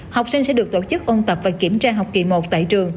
học sinh sẽ được tổ chức ôn tập và kiểm tra học kỳ một tại trường